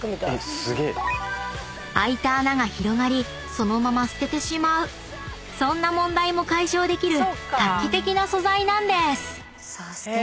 ［開いた穴が広がりそのまま捨ててしまうそんな問題も解消できる画期的な素材なんです］